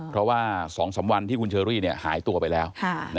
เพราะว่า๒๓วันที่คุณเชอรี่หายตัวไปแล้ว